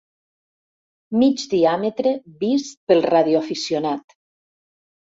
Mig diàmetre vist pel radioaficionat.